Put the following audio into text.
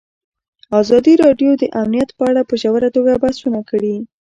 ازادي راډیو د امنیت په اړه په ژوره توګه بحثونه کړي.